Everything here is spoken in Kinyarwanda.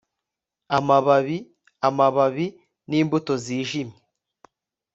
Amababi amababi nimbuto zijimye